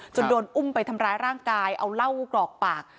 โดนอุ้มไปทำร้ายร่างกายเอาเหล้ากรอกปาก